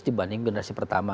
dibanding generasi pertama